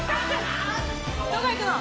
どこ行くの？